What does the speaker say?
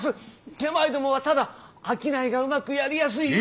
手前どもはただ商いがうまくやりやすいように。